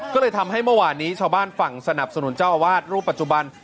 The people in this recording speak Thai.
ก็เลยทำให้เมื่อวานนี้ชาวบ้านฝั่งสนับสนุนเจ้าอาวาสรูปปัจจุบัน